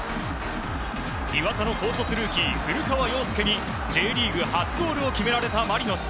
磐田の高卒ルーキー、古川陽介にＪリーグ初ゴールを決められたマリノス。